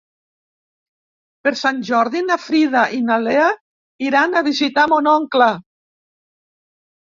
Per Sant Jordi na Frida i na Lea iran a visitar mon oncle.